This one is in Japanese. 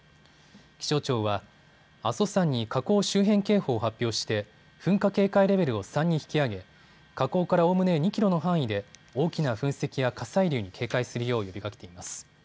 気象庁は阿蘇山に火口周辺警報を発表して噴火警戒レベルを３に引き上げ火口からおおむね２キロの範囲で大きな噴石や火砕流に警戒するよう呼びかけています。